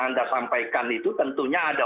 anda sampaikan itu tentunya ada